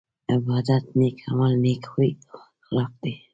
عبادت نيک عمل نيک خوي او اخلاق